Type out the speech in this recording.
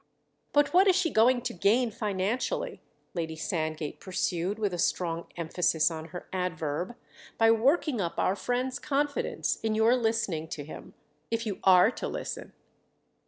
But what is she going to gain financially," Lady Sand gate pursued with a strong emphasis on her adverb, "by working up our friend's confidence in your listening to him—if you are to listen?"